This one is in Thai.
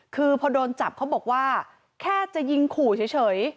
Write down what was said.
คือพอโดนจับเขาบอกว่าแค่จะยิงขู่เฉย